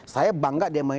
saya bangga dengan